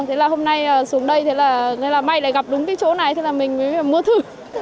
thế là hôm nay xuống đây thế là may lại gặp đúng cái chỗ này thế là mình mới mua thử